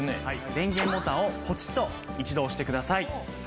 電源ボタンをポチッと一度押してください。